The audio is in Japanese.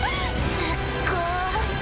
すっごい。